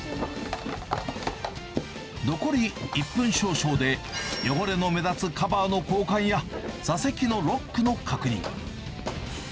残り１分少々で、汚れの目立つカバーの交換や、座席のロックの確認。